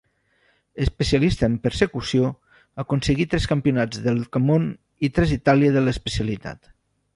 Especialista en persecució, aconseguí tres campionats del món i tres d'Itàlia de l'especialitat.